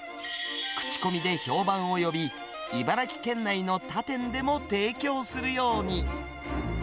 クチコミで評判を呼び、茨城県内の他店でも提供するように。